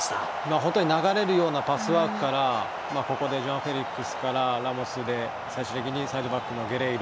本当に流れるようなパスワークからここでフェリックスからラモスで最終的にサイドバックのゲレイロ。